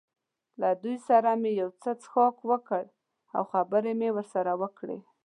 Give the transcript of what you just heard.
له دوی سره مې یو څه څښاک وکړ او خبرې مې ورسره وکړې.